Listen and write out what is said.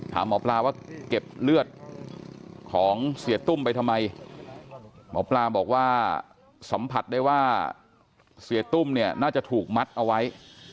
ถามหมอปลาว่าเก็บเลือดของเสียตุ้มไปทำไมหมอปลาบอกว่าสัมผัสได้ว่าเสียตุ้มเนี่ยน่าจะถูกมัดเอาไว้